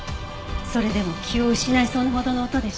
それでも気を失いそうなほどの音でした。